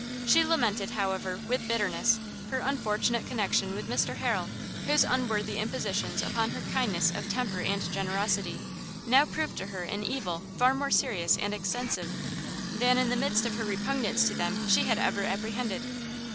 She lamented, however, with bitterness, her unfortunate connexion with Mr Harrel, whose unworthy impositions upon her kindness of temper and generosity, now proved to her an evil far more serious and extensive, than in the midst of her repugnance to them she had ever apprehended.